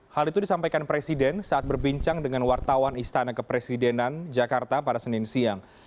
hal itu disampaikan presiden saat berbincang dengan wartawan istana kepresidenan jakarta pada senin siang